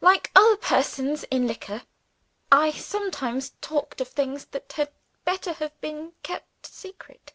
Like other persons in liquor, I sometimes talked of things that had better have been kept secret.